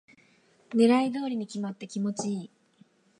狙い通りに決まって気持ちいい